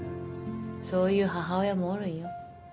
そういう母親もおるんよ。